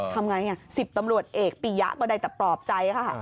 ทำอย่างไรเนี่ย๑๐ตำรวจเอกปียะตัวใดแต่ปลอบใจค่ะ